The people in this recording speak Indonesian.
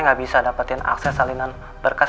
nggak bisa dapetin akses salinan berkas